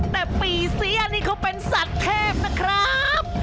แต่ปีเสียนี่เขาเป็นสัตว์เทพนะครับ